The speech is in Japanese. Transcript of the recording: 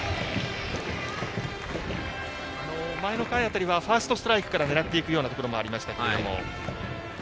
前の回辺りはファーストストライクから狙っていくようなところもありましたが。